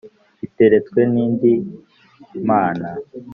iteretswe n’indi mana,